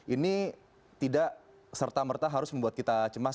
ini tidak serta merta harus membuat kita cemas